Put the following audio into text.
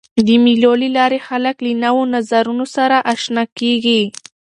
د مېلو له لاري خلک له نوو نظرونو سره آشنا کيږي.